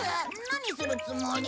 何するつもり？